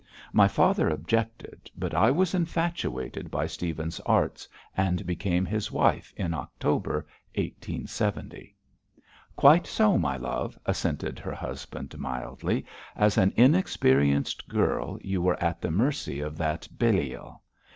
My father objected, but I was infatuated by Stephen's arts, and became his wife in October 1870.' 'Quite so, my love,' assented her husband, mildly; 'as an inexperienced girl you were at the mercy of that Belial.